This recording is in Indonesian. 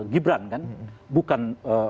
gibran kan bukan